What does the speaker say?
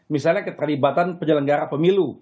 misalnya keterlibatan penyelenggara pemilu